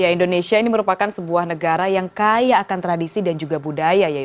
indonesia ini merupakan sebuah negara yang kaya akan tradisi dan juga budaya